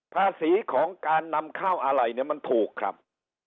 ภาษีของการนำข้าวอะไรเนี่ยมันถูกครับ